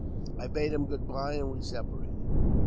I bade him good bye, and we separated.